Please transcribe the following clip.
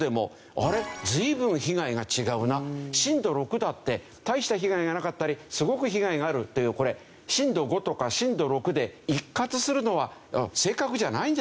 随分被害が違うな震度６だって大した被害がなかったりすごく被害があるというこれ震度５とか震度６で一括するのは正確じゃないんじゃないか。